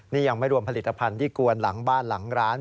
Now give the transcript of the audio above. นี่ยังไม่รวมผลิตภัณฑ์ที่กวนหลังบ้านหลังร้าน